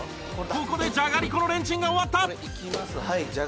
ここでじゃがりこのレンチンが終わった